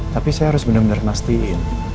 tapi saya harus benar benar nastiin